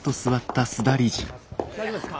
大丈夫ですか？